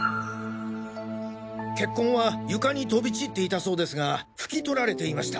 血痕は床に飛び散っていたそうですが拭き取られていました。